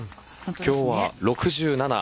今日は６７。